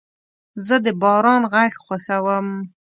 زه د باران غږ خوښوم.